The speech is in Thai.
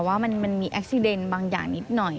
ว่ามันมีแอคซีเดนบางอย่างนิดหน่อย